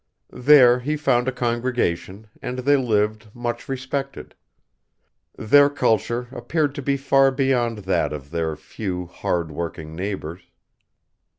There he found a congregation, and they lived much respected. Their culture appeared to be far beyond that of their few, hard working neighbors.